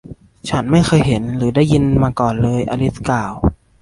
ฉันไม่เคยเห็น หรือได้ยินมาก่อนเลย อลิซกล่าว